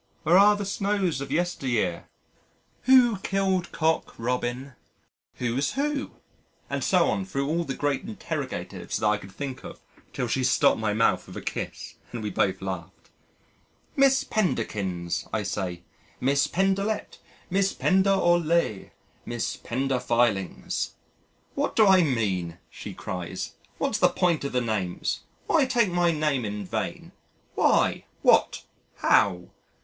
"Where are the snows of yesteryear?" "Who killed Cock Robin?" "Who's who?" And so on thro' all the great interrogatives that I could think of till she stopped my mouth with a kiss and we both laughed. "Miss Penderkins," I say. "Miss Penderlet, Miss Pender au lait, Miss Pender filings." What do I mean? she cries. "What's the point of the names? Why take my name in vain? Why? What? How?"